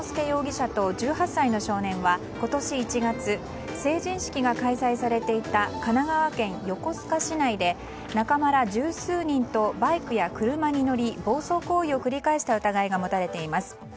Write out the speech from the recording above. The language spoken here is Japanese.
容疑者と１８歳の少年は今年１月成人式が開催されていた神奈川県横須賀市内で仲間ら十数人とバイクや車に乗り暴走行為を繰り返した疑いが持たれています。